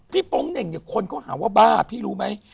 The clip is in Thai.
โป๊งเหน่งเนี่ยคนเขาหาว่าบ้าพี่รู้ไหม